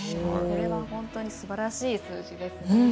これは本当にすばらしい数字です。